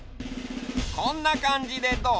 こんなかんじでどう？